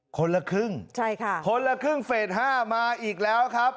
คนละครึ่งใช่ค่ะคนละครึ่งเฟส๕มาอีกแล้วครับ